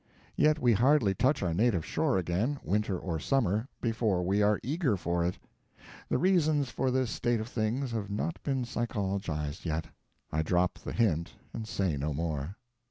Yet we hardly touch our native shore again, winter or summer, before we are eager for it. The reasons for this state of things have not been psychologized yet. I drop the hint and say no more.